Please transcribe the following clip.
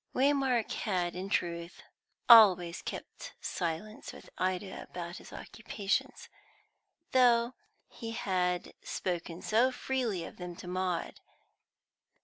Waymark had in truth always kept silence with Ida about his occupations, though he had spoken so freely of them to Maud.